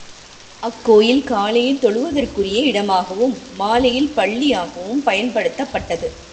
அக்கோவில் காலையில் தொழுகைக்குரிய இடமாகவும், மாலையில் பள்ளியாகவும் பயன்படுத்தப்பட்டது.